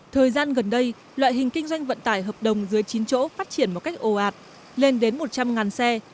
thời gian gần đây loại hình kinh doanh vận tải hợp đồng dưới chín chỗ phát triển một cách ồ ạt lên đến một trăm linh xe